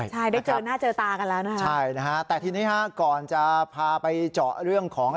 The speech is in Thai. ใช่ได้เจอหน้าเจอตากันแล้วนะฮะใช่นะฮะแต่ทีนี้ฮะก่อนจะพาไปเจาะเรื่องของ